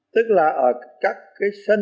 tức là ở các cái sân